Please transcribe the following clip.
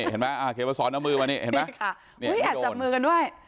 เห็นไหมเขมมะสอนเอามือมานี่อยากจับมือกันด้วย